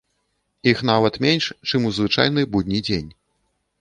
Іх нават менш, чым у звычайны будні дзень.